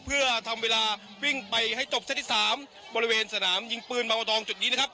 เพื่อทำเวลาวิ่งไปให้จบเส้นที่๓บริเวณสนามยิงปืนเบาตองจุดนี้นะครับ